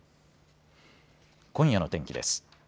今夜の天気です。